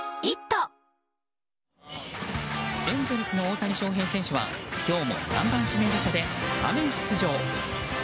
エンゼルスの大谷翔平選手は今日も３番指名打者でスタメン出場。